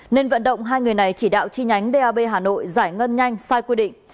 nên vận động hai người này chỉ đạo chi nhánh dap hà nội giải ngân nhanh sai quy định